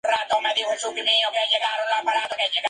La flauta de sauce es un tipo de flauta de armónicos.